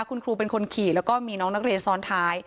คุณครูเป็นคนขี่แล้วก็มีน้องนักเรียนซ้อนท้าย